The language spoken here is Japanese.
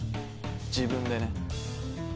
自分でね